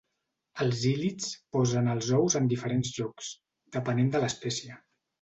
Els hílids posen els ous en diferents llocs, depenent de l'espècie.